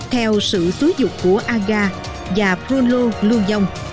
theo sự xúi dục của aga và bruno lưu dông